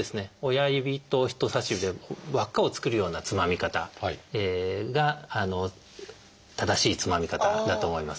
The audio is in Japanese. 親指と人さし指で輪っかを作るようなつまみ方が正しいつまみ方だと思います。